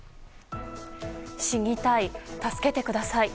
死にたい、助けてください。